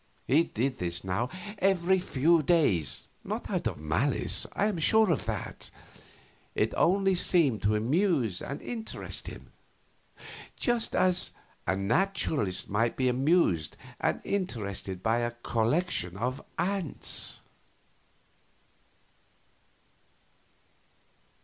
He did this now every few days not out of malice I am sure of that it only seemed to amuse and interest him, just as a naturalist might be amused and interested by a collection of ants.